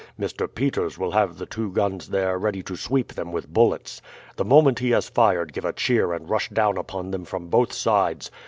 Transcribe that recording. Mr. Peters will have the two guns there ready to sweep them with bullets. The moment he has fired give a cheer and rush down upon them from both sides.